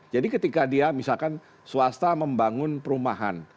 jadi ketika dia misalkan swasta membangun perumahan